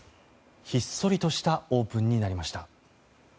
ひっそりとしたオープンになりました。